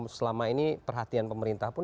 selama ini perhatian pemerintah pun